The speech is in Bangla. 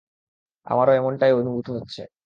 আমারও এমটাই অনুভূত হচ্ছে।